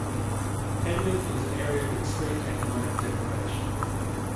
Penwith is an area of extreme economic deprivation.